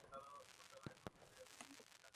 Desemboca en el lago Verde.